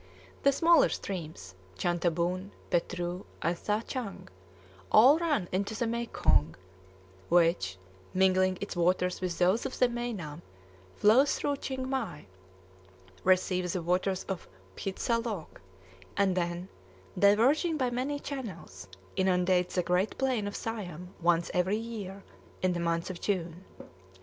The smaller streams, Chantabun, Pet Rue, and Tha Chang, all run into the Meikhong, which, mingling its waters with those of the Meinam, flows through Chiengmai, receives the waters of Phitsalok, and then, diverging by many channels, inundates the great plain of Siam once every year, in the month of June.